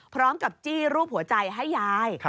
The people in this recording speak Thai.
พร้อมกับจี้รูปหัวใจให้ยาย